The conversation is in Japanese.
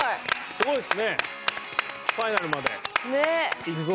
すごいっすねファイナルまで行って。